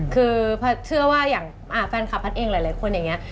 คือเชื่อว่าอย่างแฟนคลับแพทย์เองหลายคนอย่างนี้